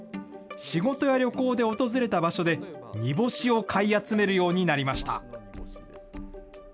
仕事や旅行で訪れた場所で、煮干しを買い集めるようになりました。